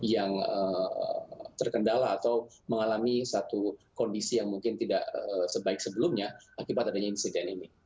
yang terkendala atau mengalami satu kondisi yang mungkin tidak sebaik sebelumnya akibat adanya insiden ini